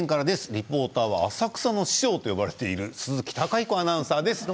リポーターは浅草の師匠と呼ばれている鈴木貴彦アナウンサーです。